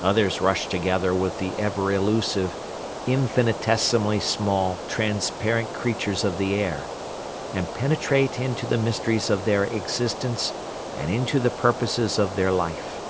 Others rush together with the ever elusive, infinitesimally small, transparent creatures of the air and penetrate into the mysteries of their existence and into the purposes of their life.